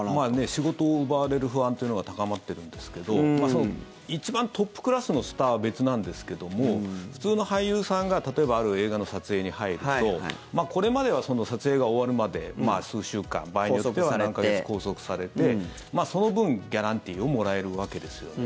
仕事を奪われる不安というのが高まっているんですけど一番トップクラスのスターは別なんですけども普通の俳優さんが例えば、ある映画の撮影に入るとこれまでは撮影が終わるまで数週間場合によっては何か月拘束されてその分、ギャランティーをもらえるわけですよね。